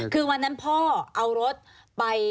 คือวันนั้นพ่อเอารถไป